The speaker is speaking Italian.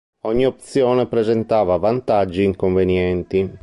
Ogni opzione presentava vantaggi e inconvenienti.